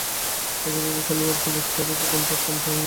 একইভাবে খেলোয়াড়কেও বুঝবে হবে, কখন তার থামতে হবে এবং বিরতি নিতে হবে।